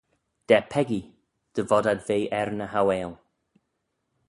Da peccee, dy vod ad ve er ny hauaill.